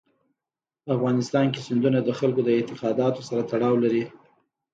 په افغانستان کې سیندونه د خلکو د اعتقاداتو سره تړاو لري.